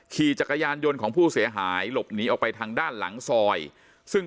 ขี่จักรยานยนต์ของผู้เสียหายหลบหนีออกไปทางด้านหลังซอยซึ่ง